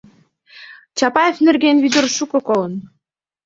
Чапаев нерген Вӧдыр шуко колын.